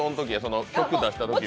曲を出したときは。